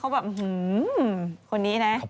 ปล่อยให้เบลล่าว่าง